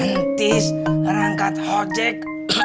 hentis berangkat hojek